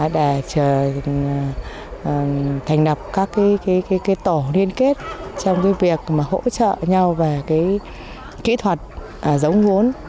để thành lập các tổ liên kết trong việc hỗ trợ nhau về kỹ thuật giống vốn